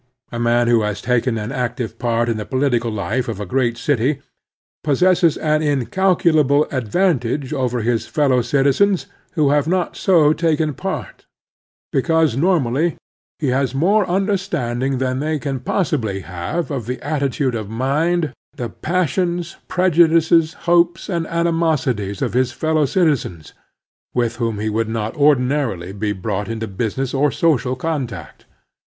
A man who has taken an active part in the political life of a great city possesses an incalculable advantage over his fellow citizens who have not so taken part, because normally he has more tmderstanding than they can possibly have of the attitude of mind, the passions, prejudices, hopes, and animosities of his fellow citizens, with whom he would not ordinarily be brought into business or social contact.